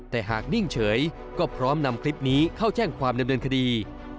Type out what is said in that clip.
แต่หากนิ่งเฉยก็พร้อมนำคลิปนี้เข้าแจ้งความดำเนินคดี